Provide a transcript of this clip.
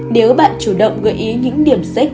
nếu bạn chủ động gợi ý những điểm sách